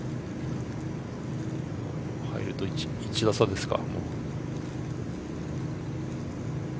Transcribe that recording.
入ると１打差ですか。